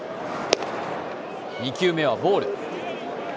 ２球目はボール。